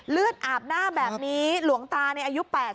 เลือดอาบหน้าแบบนี้หลวงตาในอายุ๘๓ปีแล้วนะคะ